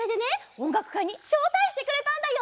おんがくかいにしょうたいしてくれたんだよ！